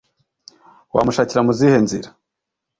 wamushakira mu zihe nzira